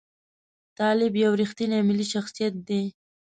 طالب یو ریښتونی ملي شخصیت دی.